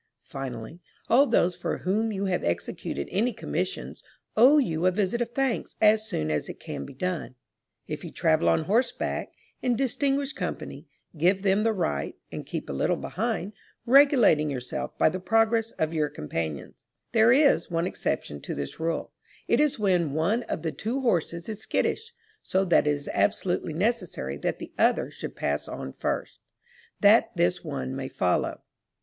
Finally, all those for whom you have executed any commissions, owe you a visit of thanks as soon as it can be done. If you travel on horseback, in distinguished company, give them the right, and keep a little behind, regulating yourself by the progress of your companions. There is one exception to this rule; it is when one of the two horses is skittish, so that it is absolutely necessary that the other should pass on first, that this one may follow.